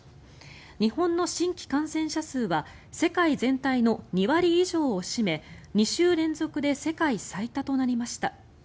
日本の新規感染者数は世界全体の２割以上を占め２週連続で世界最多となりました。